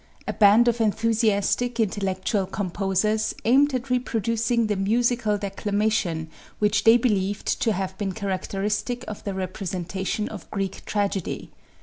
A band of enthusiastic, intellectual composers aimed at reproducing the musical declamation which they believed to have been characteristic of the representation of Greek tragedy.